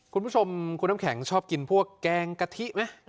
คุณผู้ชมคุณน้ำแข็งชอบกินพวกแกงกะทิไหม